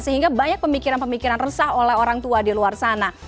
sehingga banyak pemikiran pemikiran resah oleh orang tua di luar sana